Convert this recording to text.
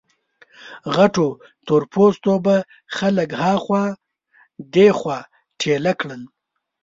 غټو تور پوستو به خلک ها خوا دې خوا ټېله کړل.